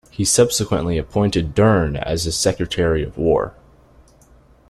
He subsequently appointed Dern as his Secretary of War.